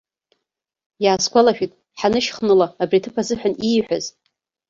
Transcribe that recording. Иаасгәалашәеит ҳанышьхныла абри аҭыԥ азыҳәан ииҳәаз.